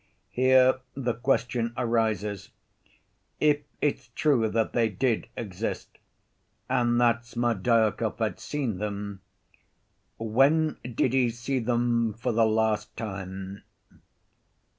"Here the question arises, if it's true that they did exist, and that Smerdyakov had seen them, when did he see them for the last time?